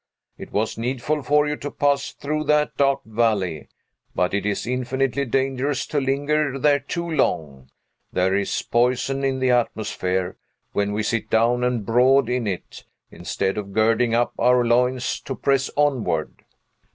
It was needful for you to pass through that dark valley, but it is infinitely dangerous to linger there too long; there is poison in the atmosphere, when we sit down and brood in it, instead of girding up our loins to press onward.